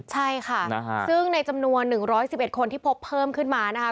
ใช่ค่ะซึ่งในจำนวน๑๑๑คนที่พบเพิ่มขึ้นมานะคะ